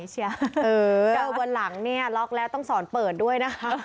เจอวันหลังเนี่ยล็อกแล้วต้องสอนเปิดด้วยนะคะ